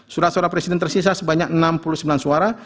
surat suara presiden tersisa sebanyak enam puluh sembilan suara